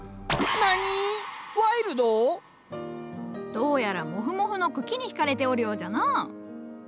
どうやらもふもふの茎に惹かれておるようじゃのう。